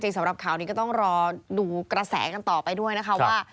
จะมีภาคต่อไหมครับองค์สุภาพ